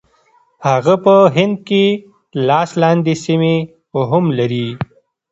هغه په هند کې لاس لاندې سیمې هم لري.